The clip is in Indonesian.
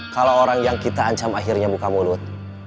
kalau orang yang kita ancam akhirnya muka mulut